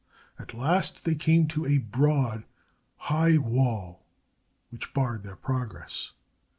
At last they came to a broad, high wall which barred their progress.